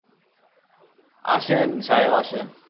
আসেন সাহেব আসেন!